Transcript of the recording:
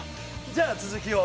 じゃあ続きを。